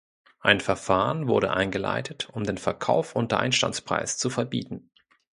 Ein Verfahren wurde eingeleitet, um den Verkauf unter Einstandspreis zu verbieten.